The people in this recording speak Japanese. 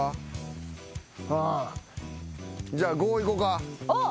じゃあ５いこうか。